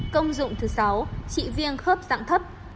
công dụng thứ sáu trị viêng khớp dạng thấp